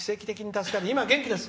「今、元気です。